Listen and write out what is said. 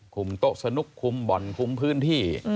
โต๊ะสนุกคุมบ่อนคุมพื้นที่